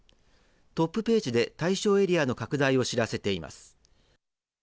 トップページで対象エリアの拡大を知らせています。